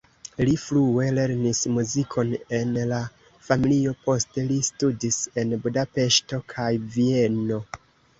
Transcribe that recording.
Li frue lernis muzikon en la familio, poste li studis en Budapeŝto kaj Vieno.